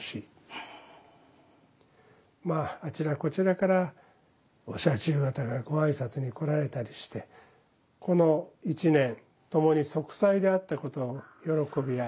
まああちらこちらからお社中方がご挨拶に来られたりしてこの一年共に息災であったことを喜び合い